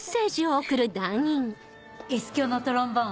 あっＳ響のトロンボーン？